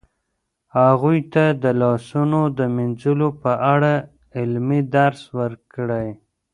هغوی ته د لاسونو د مینځلو په اړه عملي درس ورکړئ.